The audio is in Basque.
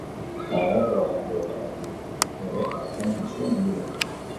Halaber, droga kantitate bat ere atzeman zuen inguruan.